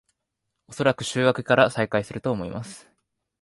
おそらく週明けから再開すると思います